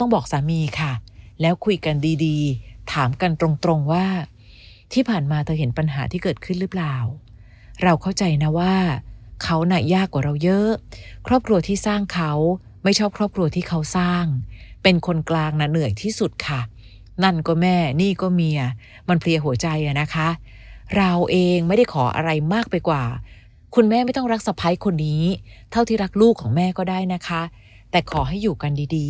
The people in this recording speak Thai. บอกสามีค่ะแล้วคุยกันดีดีถามกันตรงตรงว่าที่ผ่านมาเธอเห็นปัญหาที่เกิดขึ้นหรือเปล่าเราเข้าใจนะว่าเขาน่ะยากกว่าเราเยอะครอบครัวที่สร้างเขาไม่ชอบครอบครัวที่เขาสร้างเป็นคนกลางน่ะเหนื่อยที่สุดค่ะนั่นก็แม่นี่ก็เมียมันเพลียหัวใจอ่ะนะคะเราเองไม่ได้ขออะไรมากไปกว่าคุณแม่ไม่ต้องรักสะพ้ายคนนี้เท่าที่รักลูกของแม่ก็ได้นะคะแต่ขอให้อยู่กันดีดี